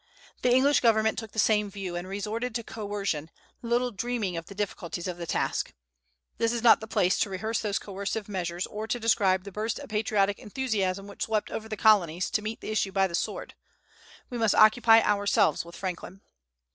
The English government took the same view, and resorted to coercion, little dreaming of the difficulties of the task. This is not the place to rehearse those coercive measures, or to describe the burst of patriotic enthusiasm which swept over the Colonies to meet the issue by the sword. We must occupy ourselves with Franklin.